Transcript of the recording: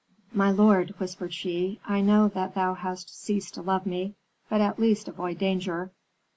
"My lord," whispered she, "I know that thou hast ceased to love me, but at least avoid danger."